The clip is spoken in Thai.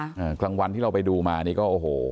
ทุกครั้งวันที่เราไปดูมาอันนี้ก็โอ้โห